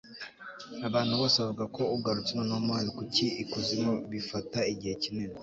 abantu bose bavuga ko ugarutse, noneho man kuki ikuzimu bifata igihe kinini